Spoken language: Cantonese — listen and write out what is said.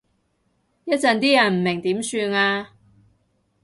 一陣啲人唔明點算啊？